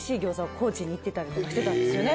高知に行ってたりとかしてたんですよね。